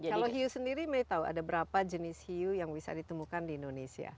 kalau hiu sendiri may tahu ada berapa jenis hiu yang bisa ditemukan di indonesia